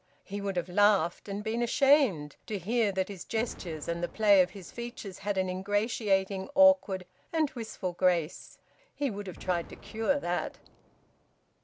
He would have laughed, and been ashamed to hear that his gestures and the play of his features had an ingratiating, awkward, and wistful grace; he would have tried to cure that.